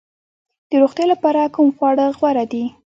د روغتیا لپاره کوم خواړه غوره دي؟